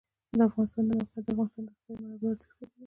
د افغانستان د موقعیت د افغانستان د اقتصادي منابعو ارزښت زیاتوي.